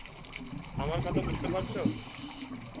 আমার কথা বুঝতে পারছ?